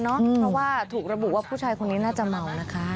เพราะว่าถูกระบุว่าผู้ชายคนนี้น่าจะเมานะคะ